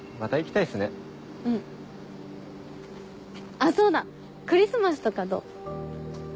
あっそうだクリスマスとかどう？